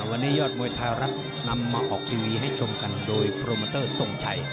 วันนี้ยอดมวยไทยรัฐนำมาออกทีวีให้ชมกันโดยโปรโมเตอร์ทรงชัย